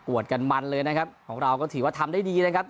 วดกันมันเลยนะครับของเราก็ถือว่าทำได้ดีนะครับ